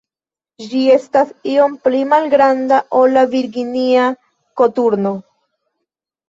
Ĝi estas iom pli malgranda ol la Virginia koturno.